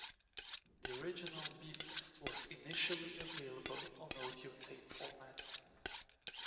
The original beep test was initially available on audio tape format.